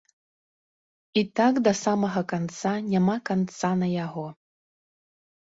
І так да самага канца няма канца на яго.